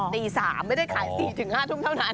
ตี๓ไม่ได้ขาย๔๕ทุ่มเท่านั้น